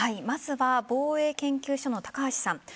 まずは防衛研究所の高橋さん。